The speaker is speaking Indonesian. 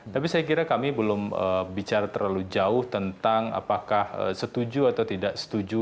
tapi saya kira kami belum bicara terlalu jauh tentang apakah setuju atau tidak setuju